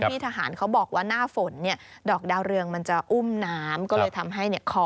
อย่างที่คุณพี่ทหารเขาบอกว่าหน้าฝนเนี่ยดอกดาวเรืองมันจะอุ้มหนามก็เลยทำให้คอเขานัก